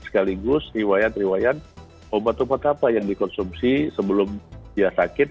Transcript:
sekaligus riwayat riwayat obat obat apa yang dikonsumsi sebelum dia sakit